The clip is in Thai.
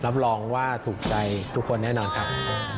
รับรองว่าถูกใจทุกคนแน่นอนครับ